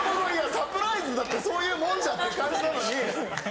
サプライズだってそういうもんじゃんっていう感じなのに。